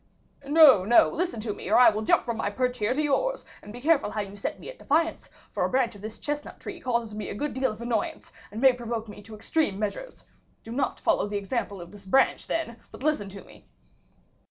"No, no! listen to me, or I will jump from my perch here to yours; and be careful how you set me at defiance, for a branch of this chestnut tree causes me a good deal of annoyance, and may provoke me to extreme measures. Do not follow the example of this branch, then, but listen to me."